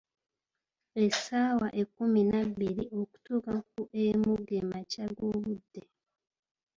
Essaawa ekkumi nabbiri.okutuuka ku emu ge makya g'obudde.